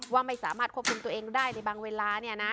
ว่าไม่สามารถควบคุมตัวเองได้ในบางเวลา